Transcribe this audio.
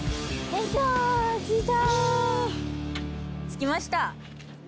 着きました！